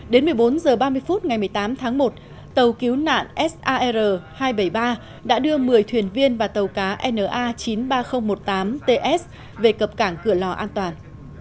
đến một mươi bốn h ba mươi phút ngày một mươi tám tháng một tàu cứu nạn sar hai trăm bảy mươi ba đã đưa một mươi thuyền viên và tàu cá na chín mươi ba nghìn một mươi tám ts về cập cảng cửa lò an toàn